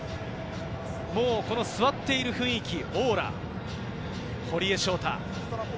座っている雰囲気、オーラ、堀江翔太。